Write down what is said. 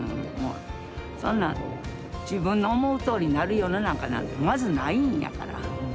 そんなん自分の思うとおりになる世の中なんてまずないんやから。